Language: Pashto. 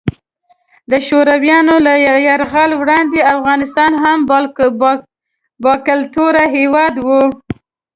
د شورویانو له یرغل وړاندې افغانستان هم باکلتوره هیواد وو.